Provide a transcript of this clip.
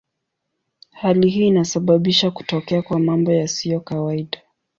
Hali hii inasababisha kutokea kwa mambo yasiyo kawaida.